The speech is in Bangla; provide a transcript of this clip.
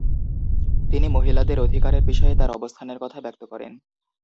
তিনি মহিলাদের অধিকারের বিষয়ে তার অবস্থানের কথা ব্যক্ত করেন।